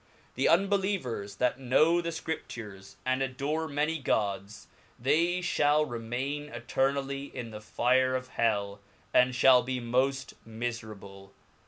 The unbeleivers that know the Scriptures, and adore many Gods, (hall remain eternally in the fire of hell, and (hall be moftmiferable.